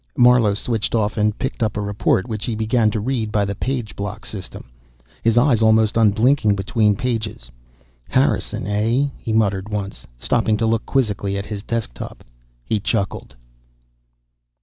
Marlowe switched off and picked up a report which he began to read by the page block system, his eyes almost unblinking between pages. "Harrison, eh?" he muttered once, stopping to look quizzically at his desktop. He chuckled.